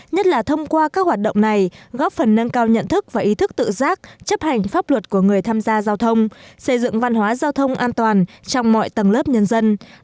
nhất là thông qua các hoạt động này góp phần nâng cao nhận thức và ý thức tự giác chấp hành pháp luật của người tham gia giao thông xây dựng văn hóa giao thông an toàn trong mọi tầng lớp nhân dân